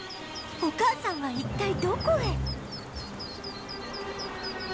お母さんは一体どこへ？